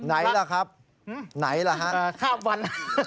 ไหนเหรอครับไหนเหรอฮะคราบวัน